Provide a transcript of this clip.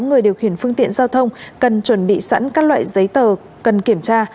người điều khiển phương tiện giao thông cần chuẩn bị sẵn các loại giấy tờ cần kiểm tra